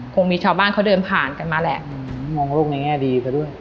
คงมีชาวบ้านเขาเดินผ่านกันมาแหละมองโลกในแง่ดีไปด้วย